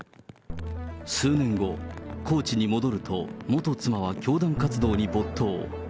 数年後、高知に戻ると、元妻は教団活動に没頭。